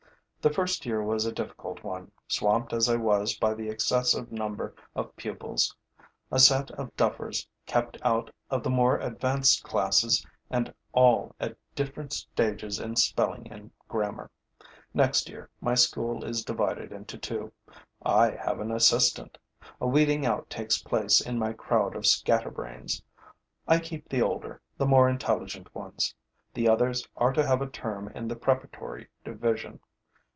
The first year was a difficult one, swamped as I was by the excessive number of pupils, a set of duffers kept out of the more advanced classes and all at different stages in spelling and grammar. Next year, my school is divided into two; I have an assistant. A weeding out takes place in my crowd of scatterbrains. I keep the older, the more intelligent ones; the others are to have a term in the preparatory division.